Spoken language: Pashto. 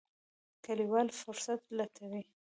کلیوال فرصت لټوي.